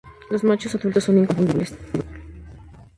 Los machos adultos son inconfundibles.